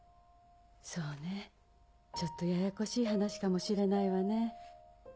そうねちょっとややこしい話かもしれないわね。